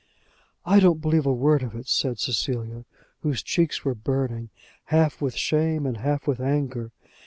"I don't believe a word of it," said Cecilia, whose cheeks were burning, half with shame and half with anger.